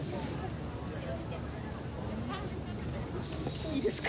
いいですか？